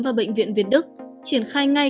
và bệnh viện việt đức triển khai ngay